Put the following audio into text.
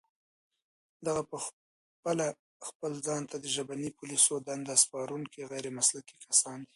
دغه پخپله خپل ځان ته د ژبني پوليسو دنده سپارونکي غير مسلکي کسان دي